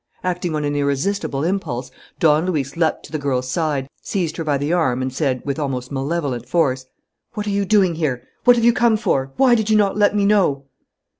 Acting on an irresistible impulse, Don Luis leaped to the girl's side, seized her by the arm and said, with almost malevolent force: "What are you doing here? What have you come for? Why did you not let me know?"